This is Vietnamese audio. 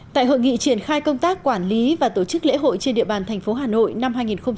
tại hội nghị triển khai công tác quản lý và tổ chức lễ hội trên địa bàn thành phố hà nội năm hai nghìn hai mươi